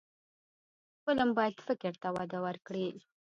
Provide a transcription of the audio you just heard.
فلم باید فکر ته وده ورکړي